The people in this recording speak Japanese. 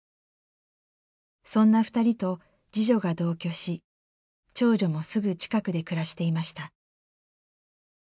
そんな２人と次女が同居し長女もすぐ近くで暮らしていました。